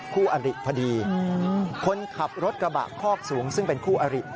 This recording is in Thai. คู่อริพอดีคนขับรถกระบะคอกสูงซึ่งเป็นคู่อริ